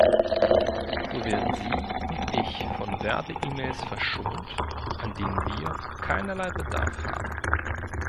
So werden Sie und ich von Werbe-E-Mails verschont, an denen wir keinerlei Bedarf haben.